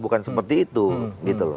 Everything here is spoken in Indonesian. bukan seperti itu gitu loh